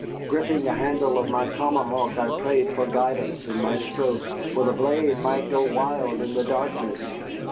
Gripping the handle of my tomahawk, I prayed for guidance in my stroke, for the blade might go wild in the darkness.